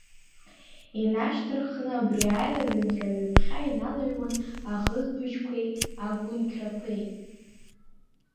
Инашьҭарххны абри аилаҩынтра ҩаԥхьа иналыҩуан аӷызбыжьқәеи агәынқьрақәеи.